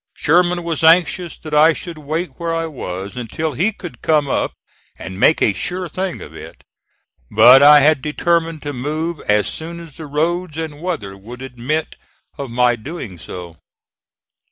Sherman was anxious that I should wait where I was until he could come up, and make a sure thing of it; but I had determined to move as soon as the roads and weather would admit of my doing so.